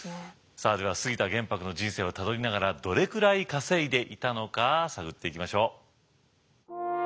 さあでは杉田玄白の人生をたどりながらどれくらい稼いでいたのか探っていきましょう。